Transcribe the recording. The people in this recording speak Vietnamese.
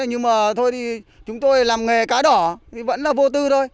nhưng mà thôi thì chúng tôi làm nghề cá đỏ thì vẫn là vô tư thôi